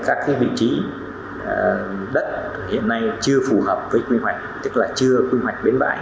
các vị trí đất hiện nay chưa phù hợp với quy hoạch tức là chưa quy hoạch bến bãi